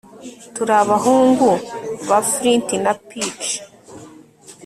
turi abahungu ba flint na pitch